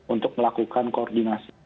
untuk melakukan koordinasi